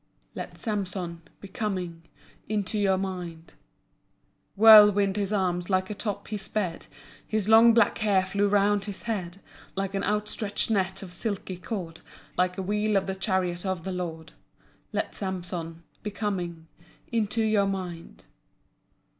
Let Samson Be coming Into your mind. Whirling his arms, like a top he sped. His long black hair flew round his head Like an outstretched net of silky cord, Like a wheel of the chariot of the Lord. Let Samson Be coming Into your mind.